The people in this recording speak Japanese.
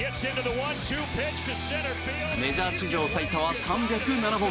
メジャー史上最多は３０７本。